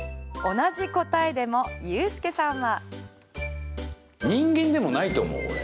同じ答えでもユースケさんは。